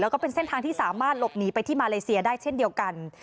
แล้วก็เป็นเส้นทางที่สามารถหลบหนีไปที่มาเลเซียได้เช่นเดียวกัน